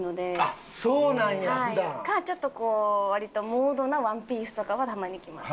ちょっとこう割とモードなワンピースとかはたまに着ます。